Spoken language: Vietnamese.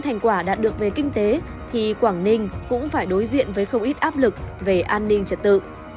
thành quả đạt được về kinh tế thì quảng ninh cũng phải đối diện với không ít áp lực về an ninh trật tự